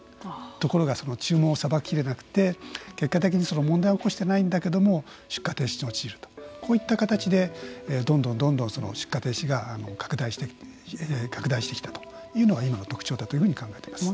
ところがその注文をさばききれなくて結果的に問題は起こしてないんだけれども出荷停止に陥るとこういった形でどんどんどんどん出荷停止が拡大してきたというのが、今の特徴だというふうに考えています。